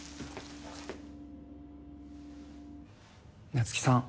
夏希さん